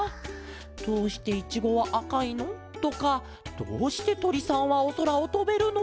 「どうしていちごはあかいの？」とか「どうしてとりさんはおそらをとべるの？」とか。